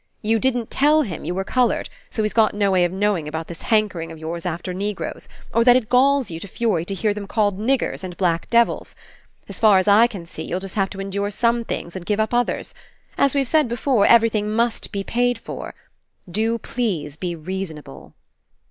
You didn't tell him you were coloured, so he's got no way of knowing about this hankering of yours after Negroes, or that It galls you to fury to hear them called niggers and black devils. As far as I can see, you'll just have to endure some things and give up others. As we've said before, everything must be paid for. Do, please, be reasonable."